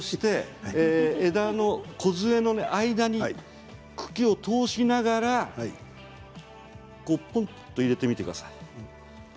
そして、枝のこずえの間に茎を通しながらぽこんと入れてください。